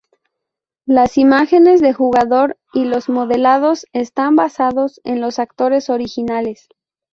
Las imágenes de jugador y los modelados están basados en los actores originales.